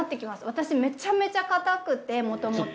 私めちゃめちゃ硬くてもともと。